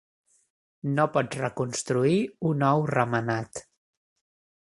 No pots reconstruir un ou remenat.